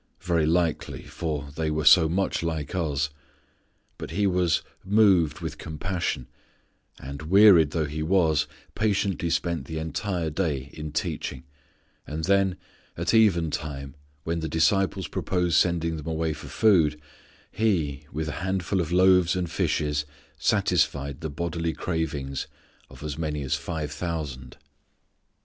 Very likely, for they were so much like us. But He was "moved with compassion" and, wearied though He was, patiently spent the entire day in teaching, and then, at eventime when the disciples proposed sending them away for food, He, with a handful of loaves and fishes, satisfied the bodily cravings of as many as five thousand.